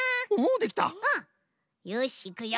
うん！よしいくよ！